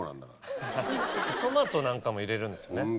トマトなんかも入れるんですよね。